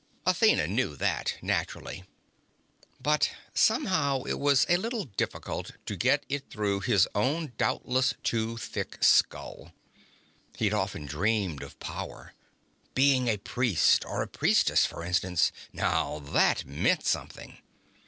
Athena knew that, naturally. But somehow it was a little difficult to get it through his own doubtless too thick skull. He'd often dreamed of power. Being a priest or a priestess, for instance now that meant something.